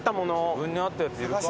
自分に合ったやついるか？